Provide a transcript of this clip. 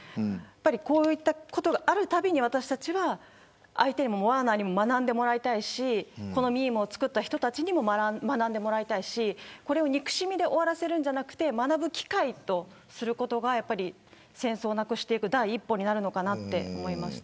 こういうことがあるたびに私たちは相手にもワーナーにも学んでほしいしこのミームを作った人たちにも学んでほしいし憎しみで終わらせるのではなく学ぶ機会とすることが戦争をなくしていく第一歩になるのかなと思いました。